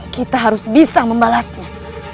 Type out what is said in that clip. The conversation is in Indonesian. kita harus bisa membalasnya